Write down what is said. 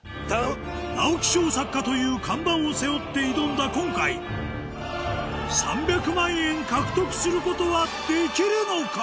直木賞作家という看板を背負って挑んだ今回３００万円獲得することはできるのか？